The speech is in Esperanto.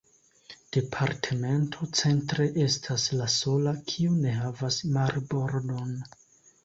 Departemento "Centre" estas la sola, kiu ne havas marbordon.